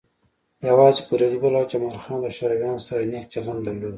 یوازې فریدګل او جمال خان له شورویانو سره نیک چلند درلود